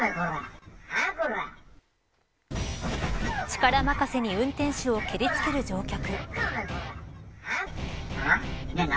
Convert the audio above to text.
力任せに運転手を蹴りつける乗客。